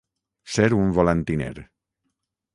Ser un volantiner.